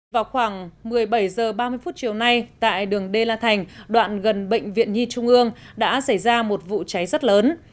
vào khoảng một mươi bảy h ba mươi phút chiều nay tại đường đê la thành đoạn gần bệnh viện nhi trung ương đã xảy ra một vụ cháy rất lớn